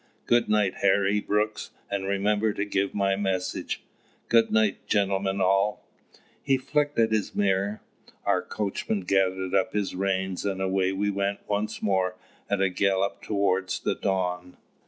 Good night, Harry Brooks, and remember to give my message! Good night, gentlemen all!" He flicked at his mare. Our coachman gathered up his reins, and away we went once more at a gallop towards the dawn.